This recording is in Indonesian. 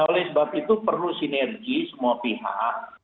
oleh sebab itu perlu sinergi semua pihak